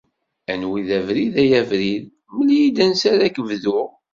Anwa i d abrid ay abrid, mel-iyi-d ansi ara k-bduɣ.